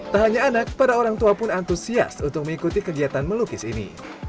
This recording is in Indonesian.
tak hanya anak para orang tua pun antusias untuk mengikuti kegiatan melukis ini